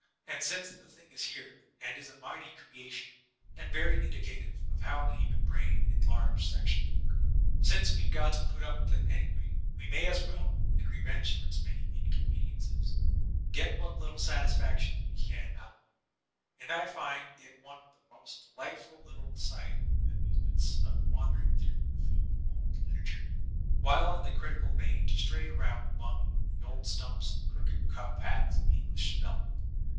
And since the thing is here, and is a mighty creation, and very indicative of how the human brain in large sections works; since we've got to put up with it any way, we may as well, in revenge for its many incon veniences, get what little satisfaction we can out of it And I find it one of the most delightful little side amuse ments of wandering through the field of old literature, while in the critical vein, to stray around among the old stumps and crooked cowpaths of English spelling.